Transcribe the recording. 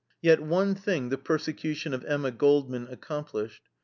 Yet one thing the persecution of Emma Goldman accomplished.